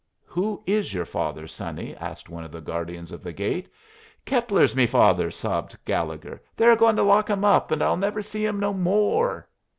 "Who is your father, sonny?" asked one of the guardians of the gate. "Keppler's me father," sobbed Gallegher. "They're a goin' to lock him up, and I'll never see him no more."